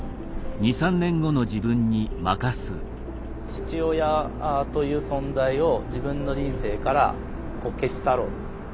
父親という存在を自分の人生から消し去ろうと。